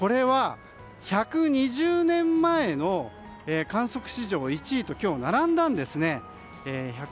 １２０年前の観測史上１位と今日、並んだんですね。